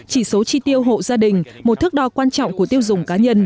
chỉ số chi tiêu hộ gia đình một thước đo quan trọng của tiêu dùng cá nhân